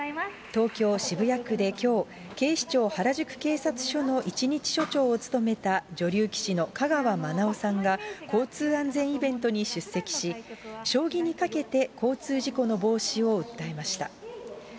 東京・渋谷区できょう、警視庁原宿警察署の一日署長を務めた女流棋士の香川まなおさんが、交通安全イベントに出席し、将棋にかけて交通事故の防止を訴えました。